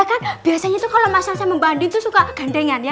nah biasanya tuh kalau mas al sama mbak andin suka gandengan ya